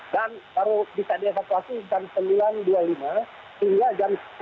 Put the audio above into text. dan baru bisa dievakuasi jam sembilan dua puluh lima hingga jam tujuh lima